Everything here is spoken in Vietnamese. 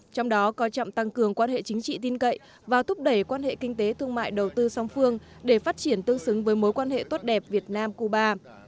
trong đó coi trọng tăng cường quan hệ chính trị tin cậy và thúc đẩy quan hệ kinh tế thương mại đầu tư song phương để phát triển tương xứng với mối quan hệ tốt đẹp việt nam cuba